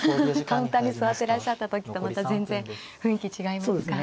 カウンターに座ってらっしゃった時とまた全然雰囲気違いますか。